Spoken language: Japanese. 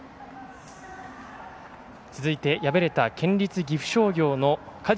続いて、敗れた県立岐阜商業の鍛治